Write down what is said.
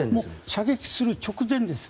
射撃する直前です。